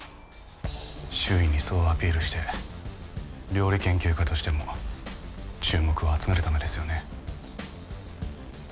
周囲にそうアピールして料理研究家としても注目を集めるためですよね？